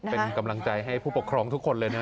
เป็นกำลังใจให้ผู้ปกครองทุกคนเลยนะ